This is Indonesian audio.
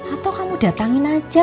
atau kamu datangin aja